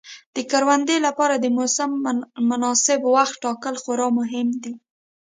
د کروندې لپاره د موسم مناسب وخت ټاکل خورا مهم دي.